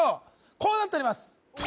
こうなっております